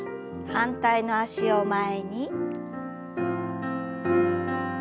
反対の脚を前に。